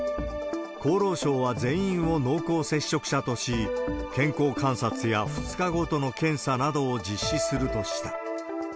厚労省は全員を濃厚接触者とし、健康観察や２日ごとの検査などを実施するとした。